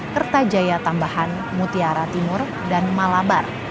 kereta jaya tambahan mutiara timur dan malabar